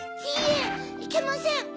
いいえいけません！